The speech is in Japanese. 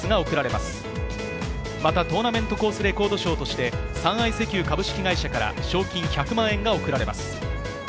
またトーナメントコースレコード賞として三愛石油株式会社から賞金１００万円が贈られます。